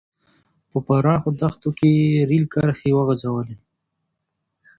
په پراخو دښتو کې یې رېل کرښې وغځولې.